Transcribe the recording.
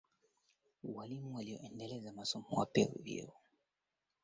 jonassohn na bjørnson waliyakosoa baadhi ya matokeo ya utafiti